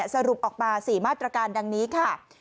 สรุปออกมา๔มาตรการดังนี้ค่ะ